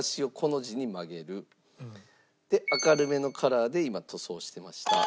明るめのカラーで今塗装していました。